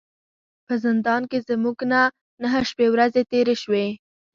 په زندان کې زموږ نه نهه شپې ورځې تیرې شوې.